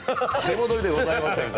出戻りではございませんから。